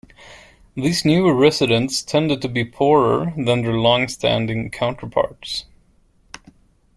These newer residents tended to be poorer than their longstanding counterparts.